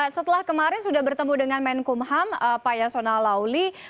setelah kemarin sudah bertemu dengan menkumham payasona lawli